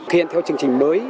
hiện theo chương trình mới